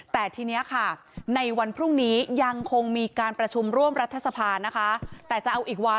แต่ทีนี้ค่ะในวันพรุ่งนี้ยังคงมีการประชุมร่วมรัฐสภานะคะ